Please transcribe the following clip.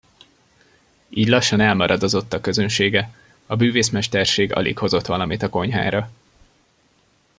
Így lassan elmaradozott a közönsége, a bűvészmesterség alig hozott valamit a konyhára.